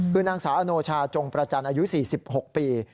คือนางสาวอโนชาจงประจันทร์อายุ๔๖ปี